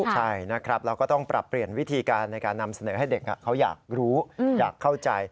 ใช่นะครับเราก็ต้องปรับเปลี่ยนวิธีการในการนำเสนอให้เด็กเขาอยากรู้อยากเข้าใจ